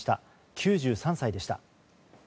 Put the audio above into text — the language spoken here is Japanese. ９３歳でした。